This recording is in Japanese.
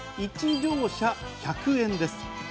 １乗車１００円です。